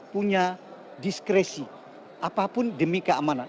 punya diskresi apapun demi keamanan